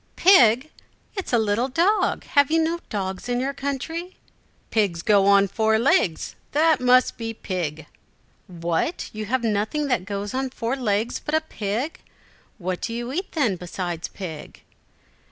"Pig! It is a little dog. Have you no dogs in your country?" "Pigs go on four legs. That must be pig." "What, you have nothing that goes on four legs but a pig! What do you eat, then, besides pig?"